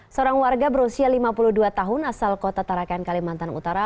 seorang warga berusia lima puluh dua tahun asal kota tarakan kalimantan utara